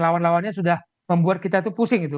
lawan lawannya sudah membuat kita tuh pusing itu